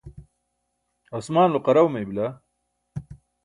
asmaanulo qaraw mey bila.